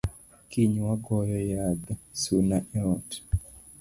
Kiny wagoyo yadh suna e ot